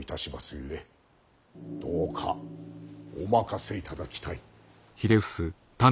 ゆえどうかお任せいただきたい。